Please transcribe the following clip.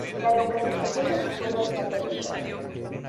La localización de su tumba se ha perdido.